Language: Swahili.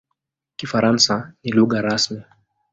Kifaransa ni lugha rasmi.